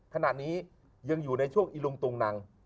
ขณะนี้ยังอยู่ในช่วงอีลุงตุงนัง